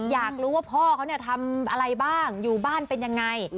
อยากรู้ว่าพ่อเขาทำอะไรบ้างอยู่บ้านเป็นยังไง